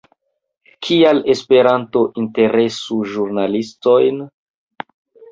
Kial Esperanto interesu ĵurnalistojn?